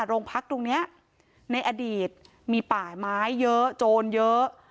โรงพักตรงนี้ในอดีตมีป่าไม้เยอะโจรเยอะ